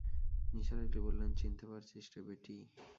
নিসার আলি বললেন, চিনতে পারছিস রে বেটি?